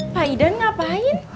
pak idan ngapain